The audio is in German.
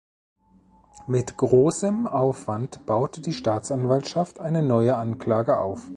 Mit großem Aufwand baute die Staatsanwaltschaft eine neue Anklage auf.